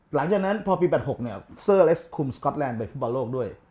หลังจากนั้นพอปี๘๖เนี่ยเซอร์เลสคุมสก๊อตแลนดไปฟุตบอลโลกด้วย